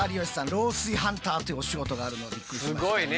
漏水ハンターっていうお仕事があるのはびっくりしましたね。